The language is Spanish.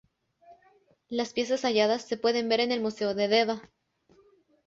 Las piezas halladas se pueden ver en el Museo de Deva.